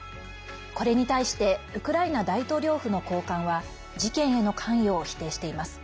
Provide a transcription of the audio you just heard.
これに対してウクライナ大統領府の高官は事件への関与を否定しています。